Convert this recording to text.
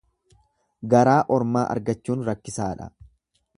Garaa ormaa argachuun rakkisaadha.